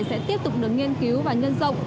sẽ tiếp tục được nghiên cứu và nhân rộng